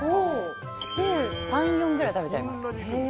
週３、４ぐらい食べちゃいます。